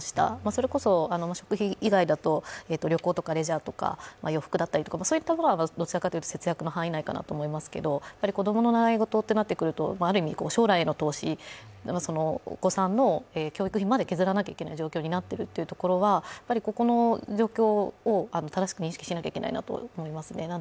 それこそ、食費以外だと旅行とかレジャーとか洋服だったり、そういったものは節約の範囲内だと思いますけど子供の習い事ってなってくると、ある意味将来への投資お子さんの教育費まで削らなきゃいけない状況になっているということは、ここの状況を正しく認識しないといけないと思います。